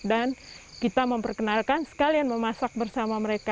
dan kita memperkenalkan sekalian memasak bersama mereka